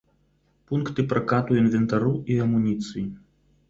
Пункты пракату інвентару і амуніцыі.